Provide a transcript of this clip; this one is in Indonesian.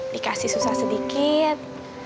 dikasih susah sedikit